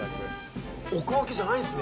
置くわけじゃないんですね。